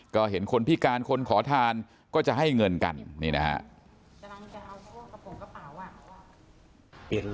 ก็เห็นคนพิการคนขอทานก็จะให้เงินกันนี่นะฮะ